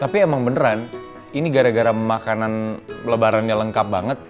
tapi emang beneran ini gara gara makanan lebarannya lengkap banget